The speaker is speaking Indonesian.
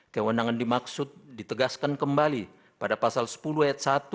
kewenangan dimaksud ditegaskan kembali pada pasal sepuluh ayat satu